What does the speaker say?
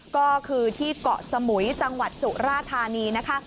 ก็คือที่เกาะสมุยจังหวัดสุราธานีนะคะ